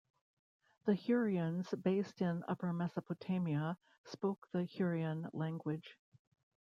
The Hurrians, based in Upper Mesopotamia, spoke the Hurrian language.